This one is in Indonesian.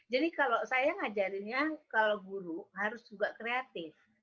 jadi kalau saya ngajarinya kalau guru harus juga kreatif